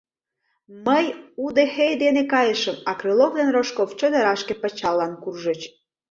Мый удэхей дене кайышым, а Крылов ден Рожков чодырашке пычаллан куржыч.